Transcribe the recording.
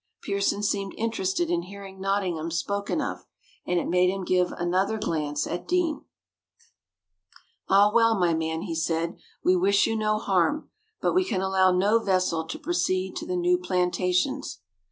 Pearson seemed interested in hearing Nottingham spoken of, and it made him give another glance at Deane. "Ah well, my man," he said, "we wish you no harm, but we can allow no vessel to proceed to the new plantations."